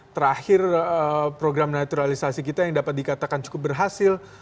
terakhir program naturalisasi kita yang dapat dikatakan cukup berhasil